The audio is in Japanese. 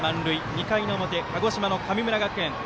２回の表、鹿児島の神村学園。